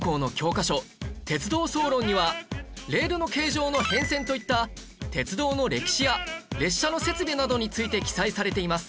レールの形状の変遷といった鉄道の歴史や列車の設備などについて記載されています